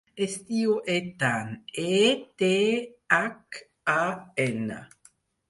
Es diu Ethan: e, te, hac, a, ena.